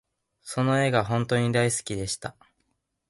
その笑顔が本とに大好きでした